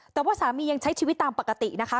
แต่ว่าสามียังใช้ชีวิตตามปกตินะคะ